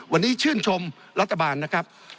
วันนี้ชื่นชมรัฐบาลนะครับ